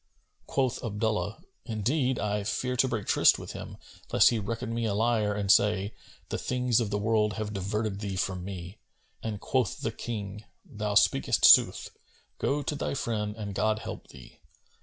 Quoth Abdullah, "Indeed, I fear to break tryst with him, lest he reckon me a liar and say, 'The things of the world have diverted thee from me,'" and quoth the King, "Thou speakest sooth: go to thy friend and God help thee!"